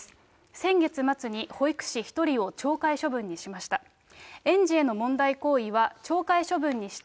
先月末に保育士１人を懲戒処分にしました。